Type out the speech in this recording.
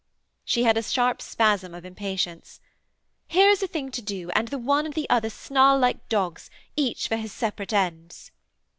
She had a sharp spasm of impatience. 'Here is a thing to do, and the one and the other snarl like dogs, each for his separate ends.'